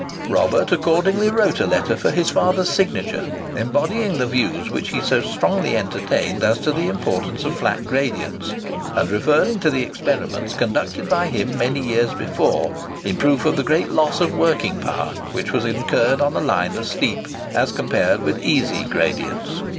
Robert accordingly wrote a letter for his father's signature, embodying the views which he so strongly entertained as to the importance of flat gradients, and referring to the experiments conducted by him many years before, in proof of the great loss of working power which was incurred on a line of steep as compared with easy gradients.